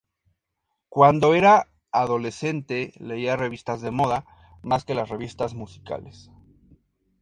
Cuando era adolescente leía revistas de moda más que las revistas musicales.